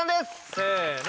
せの。